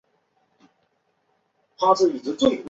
旅陆小将回来传承篮球梦